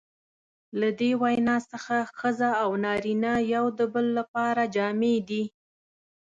له دې وینا څخه ښځه او نارینه یو د بل لپاره جامې دي.